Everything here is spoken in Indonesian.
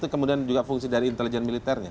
kemudian juga fungsi dari intelijen militernya